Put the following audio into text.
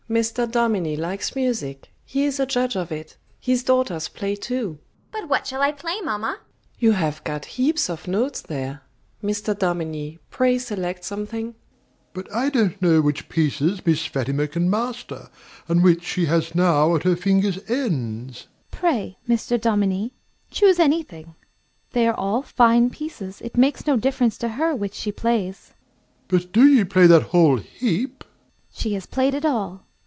Mr. Dominie likes music; he is a judge of it; his daughters play too. FATIMA. But what shall I play, mamma? MRS. N. You have got heaps of notes there. Mr. Dominie, pray select something. DOMINIE. But I don't know which pieces Miss Fatima can master, and which she has now at her fingers' ends. AUNT. Pray, Mr. Dominie, choose any thing. They are all fine pieces. It makes no difference to her which she plays. DOMINIE. But do you play that whole heap? AUNT. She has played it all.